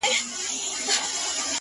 • و حاکم ته سو ور وړاندي په عرضونو,